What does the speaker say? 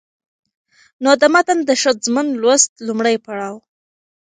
نو د متن د ښځمن لوست لومړى پړاو